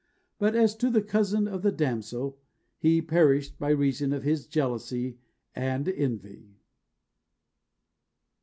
But as to the cousin of the damsel, he perished by reason of his jealousy and envy.